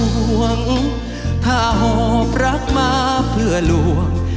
ไม่ใช่ห้ามห่วงถ้าออบรักมาเพื่อลวง